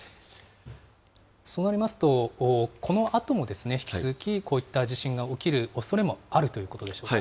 そうなりますと、このあとも引き続きこういった地震が起きるおそれもあるということでしょうか。